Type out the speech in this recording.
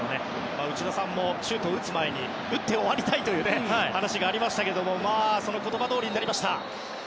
内田さんもシュートを打つ前にシュートを打って終わりたいと話がありましたがその言葉どおりになりました。